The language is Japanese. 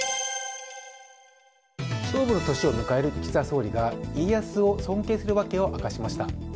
勝負の年を迎える岸田総理が家康を尊敬する訳を明かしました。